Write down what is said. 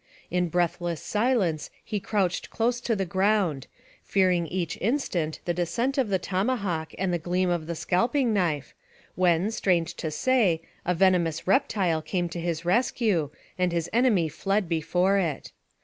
In breath less silence he crouched close to the ground, fearing each instant the descent of the tomahawk and the gleam of the scalping knife, when, strange to say, a venomous reptile came to his rescue, and his enemy fled before it.